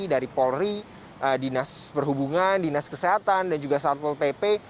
dari polri dinas perhubungan dinas kesehatan dan juga satpol pp